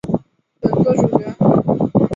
本作主角。